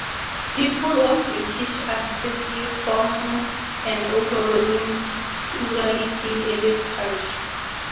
People of British ancestry form an overwhelming plurality in Elliott County.